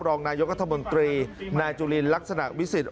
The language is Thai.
รองนายกัธมนตรีนายจุลินลักษณะวิสิทธิ